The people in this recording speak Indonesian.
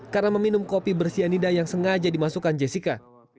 karena meminum kopi bersianida yang sengaja dimasukkan jessica